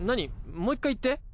もう１回言って。